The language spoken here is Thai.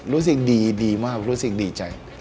รู้สึกดีดีมากรู้สึกดีใจ